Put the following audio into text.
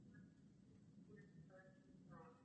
maandiko megine yanatoka katika redio ya kimataifa ya mkulima